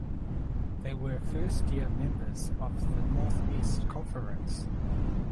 They were first year members of the Northeast Conference.